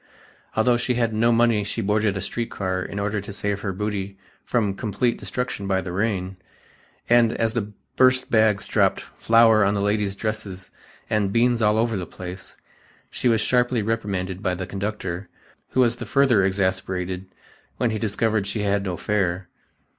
Although she had no money she boarded a street car in order to save her booty from complete destruction by the rain, and as the burst bags dropped "flour on the ladies' dresses" and ""beans all over the place," she was sharply reprimanded by the conductor, who was the further exasperated when he discovered she had no fare.